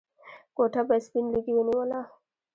کوټه به سپين لوګي ونيوله.